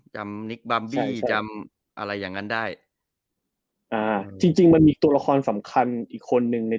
จำจำอะไรอย่างนั้นได้อ่าจริงจริงมันมีตัวละครสำคัญอีกคนนึงใน